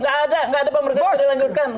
gak ada gak ada pemerintah yang dilanjutkan